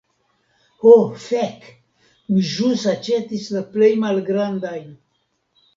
Ho fek, mi ĵus aĉetis la plej malgrandajn.